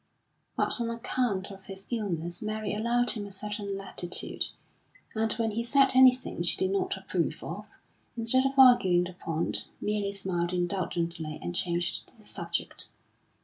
But on account of his illness Mary allowed him a certain latitude, and when he said anything she did not approve of, instead of arguing the point, merely smiled indulgently and changed the subject.